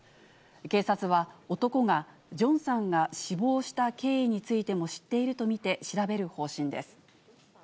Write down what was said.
警察は男がジョンさんが死亡した経緯についても知っていると見て調べる方針です。